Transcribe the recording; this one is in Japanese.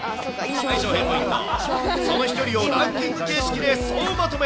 その飛距離をランキング形式で総まとめ。